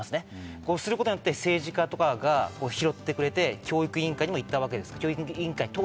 そうすることで政治家とかが拾ってくれて教育委員会にもいったわけです。